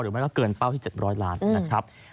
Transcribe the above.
หรือว่าเกินเป้าที่๗๐๐ล้านบาทนะครับ